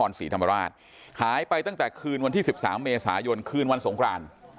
ศรีธรรมราชหายไปตั้งแต่คืนวันที่๑๓เมษายนคืนวันสงคราน